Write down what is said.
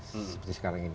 seperti sekarang ini